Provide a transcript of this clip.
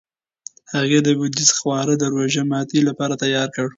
هغې دودیز خواړه د روژهماتي لپاره تیار کړل.